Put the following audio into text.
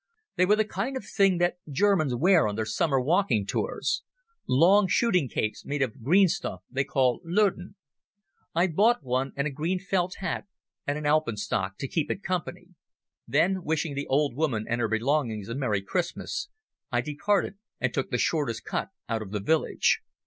They were the kind of thing that Germans wear on their summer walking tours—long shooting capes made of a green stuff they call loden. I bought one, and a green felt hat and an alpenstock to keep it company. Then wishing the old woman and her belongings a merry Christmas, I departed and took the shortest cut out of the village.